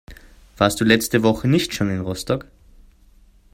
Warst du letzte Woche nicht schon in Rostock?